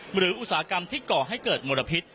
อุตสาหกรรมที่ก่อให้เกิดมลพิษ